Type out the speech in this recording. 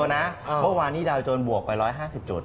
เมื่อวานนี้ดาวโจรบวกไป๑๕๐จุด